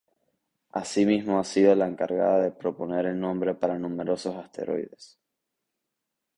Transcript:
Asimismo ha sido la encargada de proponer el nombre para numerosos asteroides.